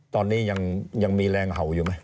ตอนนี้ยังมีแรงเห่าอยู่ไหม